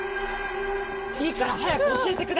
いいから早く教えてください！